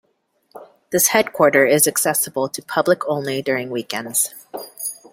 This headquarter is accessible to public only during weekends.